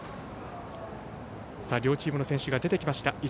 両チームの選手が出てきました。